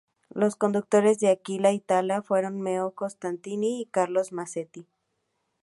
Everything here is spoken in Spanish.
Los conductores de Aquila Italiana fueron Meo Constantini y Carlo Masetti.